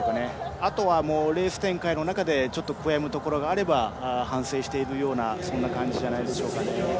あとはレース展開の中でちょっと悔やむところがあれば反省しているような感じじゃないでしょうか。